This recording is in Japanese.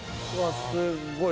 すっごい。